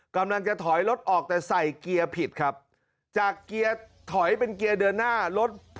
กำลังจะถอยรถออกแต่ใส่เกียร์ผิดครับจากเกียร์ถอยเป็นเกียร์เดินหน้ารถ